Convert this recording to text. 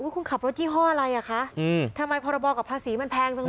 คุณขับรถยี่ห้ออะไรอ่ะคะทำไมพรบกับภาษีมันแพงจังเลย